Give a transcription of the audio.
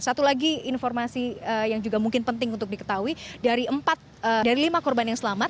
satu lagi informasi yang juga mungkin penting untuk diketahui dari lima korban yang selamat